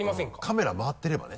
カメラ回ってればね。